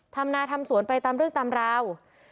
ทำนาทำสวนไปตามเรื่องตามราว